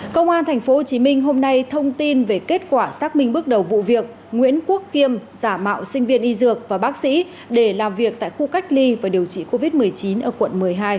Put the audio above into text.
công an tp hcm hôm nay thông tin về kết quả xác minh bước đầu vụ việc nguyễn quốc khiêm giả mạo sinh viên y dược và bác sĩ để làm việc tại khu cách ly và điều trị covid một mươi chín ở quận một mươi hai